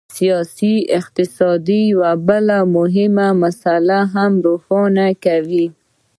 سیاسي اقتصاد یوه بله مهمه مسله هم روښانه کوي.